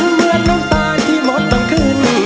เหมือนน้ำตาที่มดต้องขึ้น